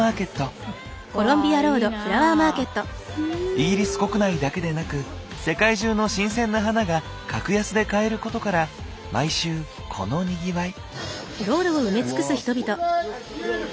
イギリス国内だけでなく世界中の新鮮な花が格安で買えることから毎週このにぎわい。